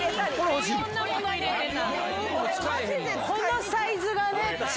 いろんなもの入れてた。